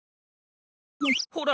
ほら。